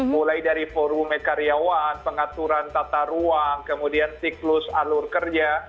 mulai dari forum karyawan pengaturan tata ruang kemudian siklus alur kerja